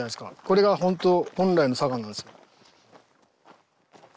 これが本当本来の砂岩なんです。